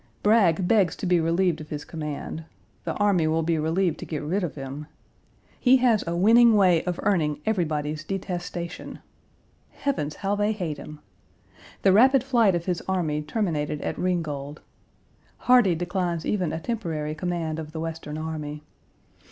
Bragg begs to be relieved of his command. The army will be relieved to get rid of him. He has a winning way of earning everybody's detestation. Heavens, how they hate him! The rapid flight of his army terminated at Ringgold. Hardie declines even a temporary command of the Western army.